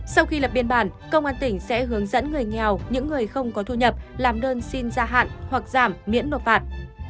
sau khi lập biên bản công an tỉnh sẽ hướng dẫn người nghèo những người không có thu nhập làm đơn xin gia hạn hoặc giảm miễn nộp phạt